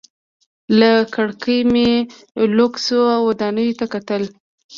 له کړکۍ مې لوکسو ودانیو ته کتل.